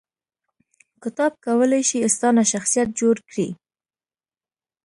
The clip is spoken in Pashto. کتاب کولای شي ستا نه شخصیت جوړ کړي